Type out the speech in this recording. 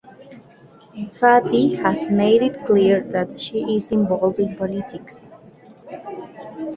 Fati has made it clear that she is involved in politics.